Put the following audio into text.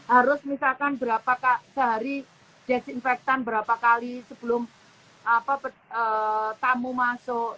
harus misalkan sehari desinfektan berapa kali sebelum tamu masuk